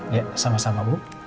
ya sama sama bu